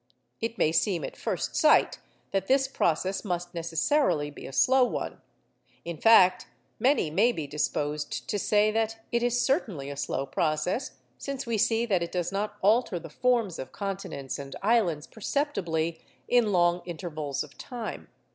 It may seem at first sight that this process must necessarily be a slow one; in fact, many may be disposed to say that it is certainly a slow process, since we see that it does not alter the forms of continents and islands perceptibly in long intervals of time.